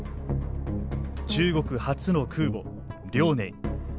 中国初の空母「遼寧」。